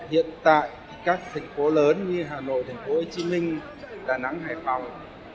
hiện tại các thành phố lớn như hà nội thành phố hồ chí minh đà nẵng hải phòng